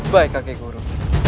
baik kakek guru